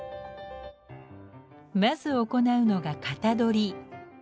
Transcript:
まず行うのが型取り。